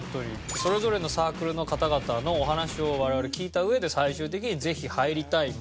それぞれのサークルの方々のお話を我々聞いた上で最終的に「ぜひ入りたい！」「また別の機会に」